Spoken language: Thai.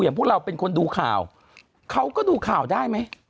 พวกเราเป็นคนดูข่าวเขาก็ดูข่าวได้ไหม